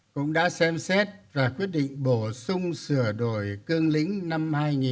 cũng đã xem xét và quyết định bổ sung sửa đổi cương lĩnh năm một nghìn chín trăm chín mươi một